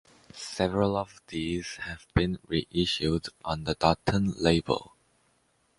Several of these have been reissued on the Dutton label.